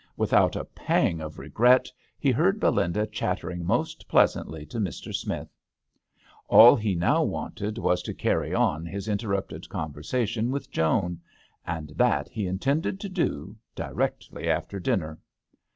Without a pang of regret he heard Belinda chattering most pleasantly to Mr. Smith. All he now wanted was to carry on his interrupted conversation with Joan, and that he intended to do directly after dinner.